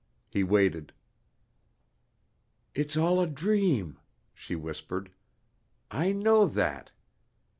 He waited. "It's all a dream," she whispered. "I know that.